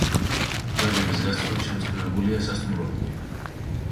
პლაჟების გასწვრივ ჩამწკრივებულია სასტუმროები.